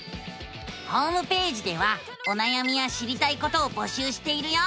ホームページではおなやみや知りたいことを募集しているよ！